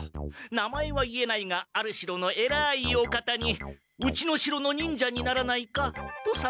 名前は言えないがある城のえらいお方に「うちの城の忍者にならないか？」とさそわれ